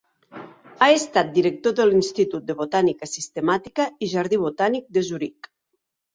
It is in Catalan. Ha estat Director de l'Institut de Botànica Sistemàtica i Jardí Botànic de Zuric.